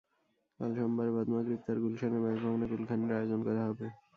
কাল সোমবার বাদ মাগরিব তাঁর গুলশানের বাসভবনে কুলখানির আয়োজন করা হবে।